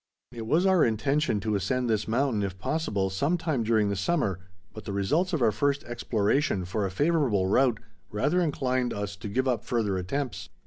It was our intention to ascend this mountain, if possible, some time during the summer but the results of our first exploration for a favorable route rather inclined us to give up further attempts.